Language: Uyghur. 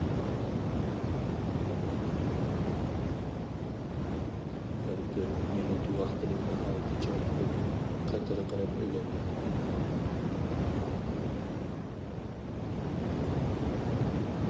ھەر بىر مىنۇت ۋاقتىنى ناھايىتى چىڭ تۇتۇپ قېتىرقىنىپ ئۆگەندى.